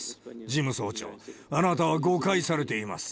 事務総長、あなたは誤解されています。